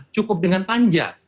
cukup dengan panja